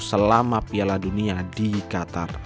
selama piala dunia di qatar